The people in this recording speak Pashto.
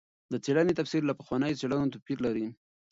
د څېړنې تفسیر له پخوانیو څېړنو توپیر لري.